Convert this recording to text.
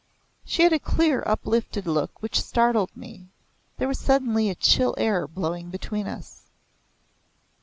She had a clear uplifted look which startled me. There was suddenly a chill air blowing between us.